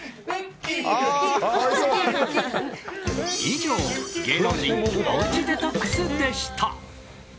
以上芸能人おうちデトックスでした。